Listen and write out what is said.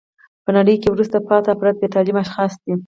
په نړۍ کښي وروسته پاته افراد بې تعلیمه اشخاص دي.